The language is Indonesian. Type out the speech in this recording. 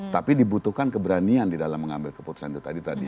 tapi dibutuhkan keberanian di dalam mengambil keputusan itu tadi